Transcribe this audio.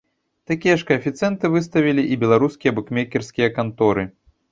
Такія ж каэфіцыенты выставілі і беларускія букмекерскія канторы.